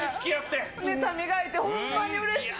ネタ磨いて、ほんまにうれしい。